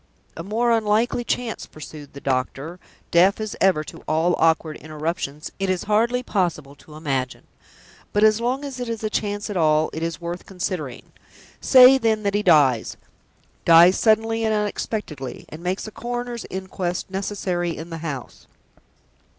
"A more unlikely chance," pursued the doctor, deaf as ever to all awkward interruptions, "it is hardly possible to imagine! But as long as it is a chance at all, it is worth considering. Say, then, that he dies dies suddenly and unexpectedly, and makes a Coroner's Inquest necessary in the house.